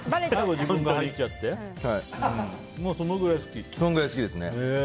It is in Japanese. そのぐらい好きですね。